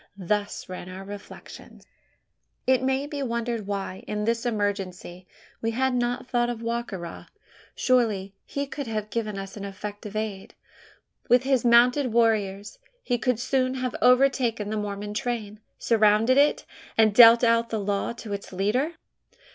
Thus ran our reflections. It may be wondered why, in this emergency, we had not thought of Wa ka ra: surely he could have given us effective aid. With his mounted warriors, he could soon have overtaken the Mormon train, surrounded it, and dealt out the law to its leader?